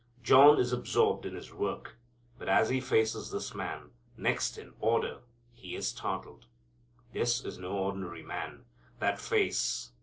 John is absorbed in his work, but as he faces this Man, next in order, he is startled. This is no ordinary man. That face!